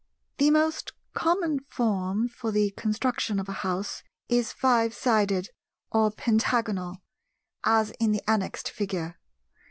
The most common form for the construction of a house is five sided or pentagonal, as in the annexed figure.